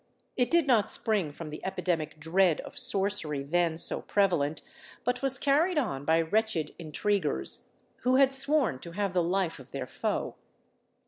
It did not spring from the epidemic dread of sorcery then so prevalent, but was carried on by wretched intriguers, who had sworn to have the life of their foe.